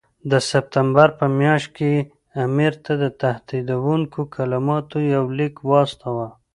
د سپټمبر په میاشت کې یې امیر ته د تهدیدوونکو کلماتو یو لیک واستاوه.